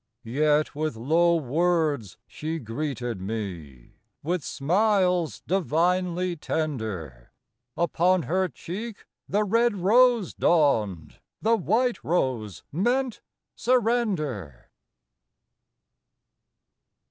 Yet with low words she greeted me, With smiles divinely tender; Upon her cheek the red rose dawned, The white rose meant surrender.